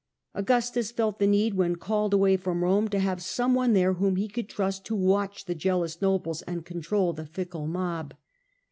Augustus felt the need, when called away from Rome, to have some one there whom he could trust to watch the jealous nobles and control the fickle mob.